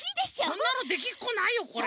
こんなのできっこないよこれ。